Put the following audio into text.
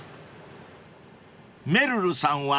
［めるるさんは］